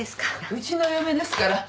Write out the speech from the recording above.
うちの嫁ですから。